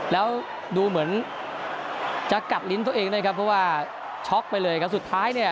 แล้วดูเหมือนจะกัดลิ้นตัวเองนะครับเพราะว่าช็อกไปเลยครับสุดท้ายเนี่ย